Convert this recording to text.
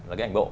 là cái ảnh bộ